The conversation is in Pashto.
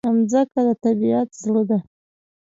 مځکه د طبیعت زړه ده.